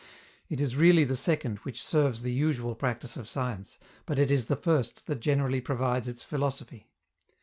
It is really the second which serves the usual practice of science, but it is the first that generally provides its philosophy.